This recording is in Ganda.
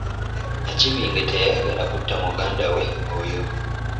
Nnakibinge teyayagala kutta muganda we oyo.